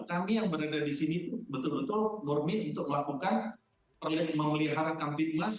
kami yang berada di sini itu betul betul mormin untuk melakukan memelihara kantipnas